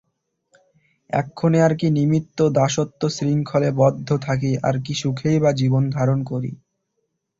এক্ষণে আর কি নিমিত্ত দাসত্বশৃঙ্খলে বদ্ধ থাকি আর কি সুখেই বা জীবন ধারণ করি।